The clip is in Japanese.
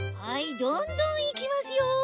はいどんどんいきますよ！